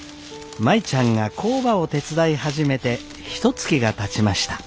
舞ちゃんが工場を手伝い始めてひとつきがたちました。